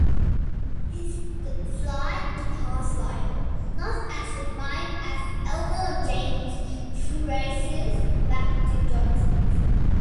His slide guitar style, not as refined as Elmore James's, traces back to Johnson's.